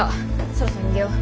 そろそろ逃げよう。